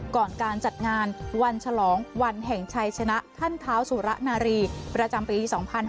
ก่อนการจัดงานวันฉลองวันแห่งชัยชนะท่านเท้าสุระนารีประจำปี๒๕๕๙